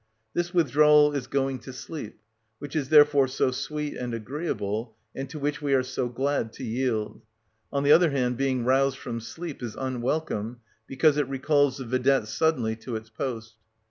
This withdrawal is going to sleep, which is therefore so sweet and agreeable, and to which we are so glad to yield; on the other hand, being roused from sleep is unwelcome, because it recalls the vedette suddenly to its post.